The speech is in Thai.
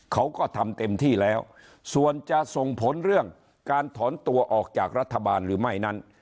เขาก็ทำเต็มที่แล้วส่วนจะส่งผลเรื่องการถอนตัวออกจากรัฐบาลหรือไม่นั้น